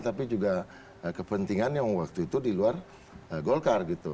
tapi juga kepentingan yang waktu itu di luar golkar gitu